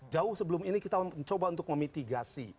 jauh sebelum ini kita mencoba untuk memitigasi